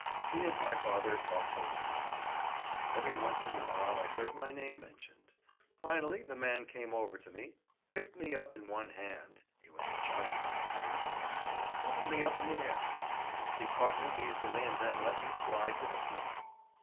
He and my father talked a long time. Every once in a while I heard my name mentioned. Finally the man came over to me, picked me up in one hand (he was a giant in strength), and flung me up in the air. He caught me easily and then let me slide to the floor.